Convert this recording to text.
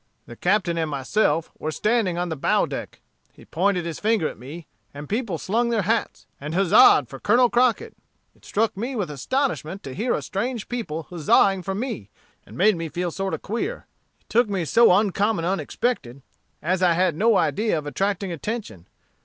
The captain and myself were standing on the bow deck; he pointed his finger at me, and people slung their hats, and huzzaed for Colonel Crockett. It struck me with astonishment to hear a strange people huzzaing for me, and made me feel sort of queer. It took me so uncommon unexpected, as I had no idea of attracting attention.